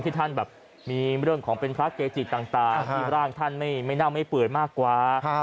ท่านแบบมีเรื่องของเป็นพระเกจิต่างที่ร่างท่านไม่เน่าไม่เปื่อยมากกว่า